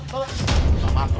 pak mas dur